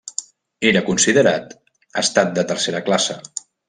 Era considerat estat de tercera classe.